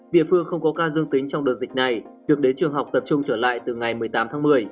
địa phương không có ca dương tính trong đợt dịch này việc đến trường học tập trung trở lại từ ngày một mươi tám tháng một mươi